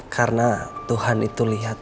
karena tuhan itu lihat